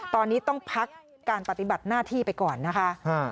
ตอนนี้ต้องพักการปฏิบัติหน้าที่ไปก่อนนะคะ